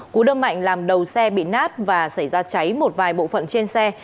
cú đâm mạnh làm đầu xe bị nát và xảy ra cháy một vài bộ phận trên xe